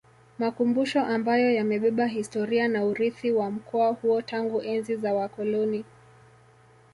Makumbusho ambayo yamebeba historia na urithi wa mkoa huo tangu enzi za wakoloni